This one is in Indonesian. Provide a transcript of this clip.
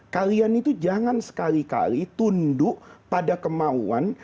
kalian itu jangan sekali kali tunduk pada kemauan